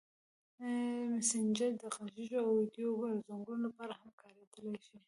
مسېنجر د غږیزو او ویډیويي زنګونو لپاره هم کارېدلی شي.